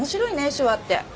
手話って。